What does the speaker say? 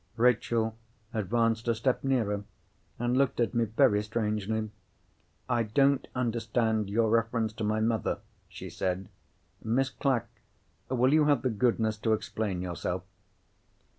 Rachel advanced a step nearer, and looked at me very strangely. "I don't understand your reference to my mother," she said. "Miss Clack, will you have the goodness to explain yourself?"